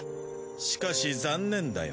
しかし残念だよ。